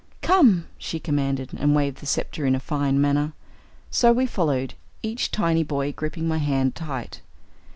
"Come," she commanded, and waved the sceptre in a fine manner. So we followed, each tiny boy gripping my hand tight.